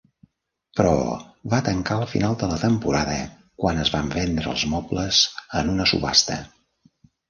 Però va tancar al final de la temporada, quan es van vendre els mobles en una subhasta.